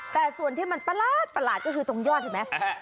แต่ส่วนที่มันประหลาดก็คือตรงยอดเห็นไหม